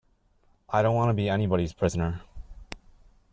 I don’t want to be anybody’s prisoner.